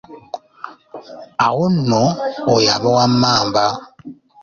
Awo nno oyo aba wa Mmamba.